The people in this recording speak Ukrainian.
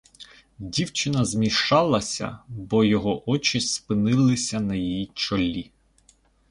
Дівчина змішалася, бо його очі спинилися на її чолі.